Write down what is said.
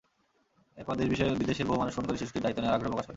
এরপর দেশ-বিদেশের বহু মানুষ ফোন করে শিশুটির দায়িত্ব নেওয়ার আগ্রহ প্রকাশ করেন।